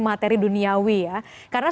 materi duniawi ya karena